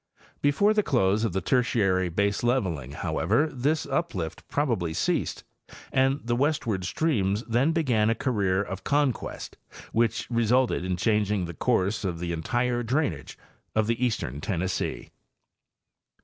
Before the close of the Tertiary baseleveling, however, this uplift probably ceased and the westward streams then bezan a career of conquest which resulted in changing the course of the entire drainage of eastern Tennessee.